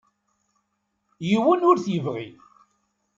Yiwen ur t-yebɣi.